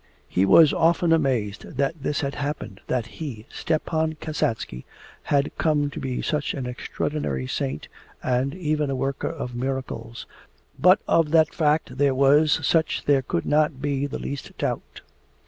He was often amazed that this had happened, that he, Stepan Kasatsky, had come to be such an extraordinary saint and even a worker of miracles, but of the fact that he was such there could not be the least doubt.